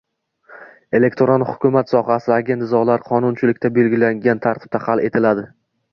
Elektron hukumat sohasidagi nizolar qonunchilikda belgilangan tartibda hal etiladi.